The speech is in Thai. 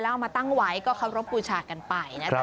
เอามาตั้งไว้ก็เคารพบูชากันไปนะครับ